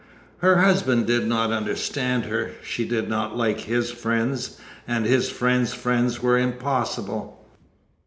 Her husband did not understand her. She did not like his friends, and his friends' friends were impossible.